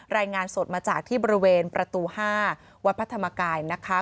รายงานสดมาจากที่บริเวณประตู๕วัดพระธรรมกายนะคะ